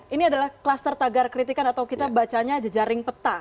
ini adalah kluster tagar kritikan atau kita bacanya jejaring peta